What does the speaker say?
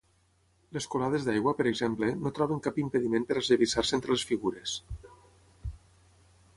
Les colades d'aigua, per exemple, no troben cap impediment per esllavissar-se entre les figures.